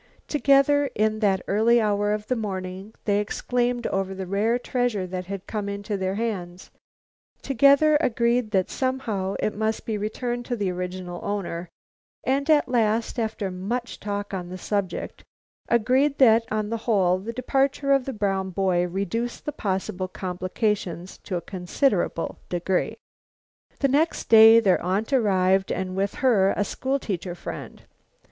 Together, in that early hour of the morning, they exclaimed over the rare treasure that had come into their hands; together agreed that, somehow, it must be returned to the original owner, and at last, after much talk on the subject, agreed that, on the whole, the departure of the brown boy reduced the possible complications to a considerable degree. Next day their aunt arrived and with her a school teacher friend.